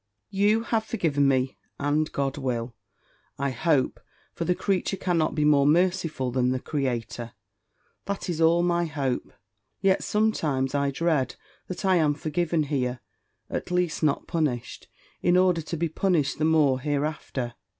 "You have forgiven me, and GOD will, I hope; for the creature cannot be more merciful than the Creator; that is all my hope! Yet, sometimes, I dread that I am forgiven here, at least not punished, in order to be punished the more hereafter!